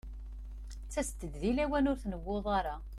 Ttasent-d deg lawan ur tnewwuḍ ara.